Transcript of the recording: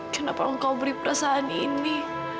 kenapa engkau beri perasaan ini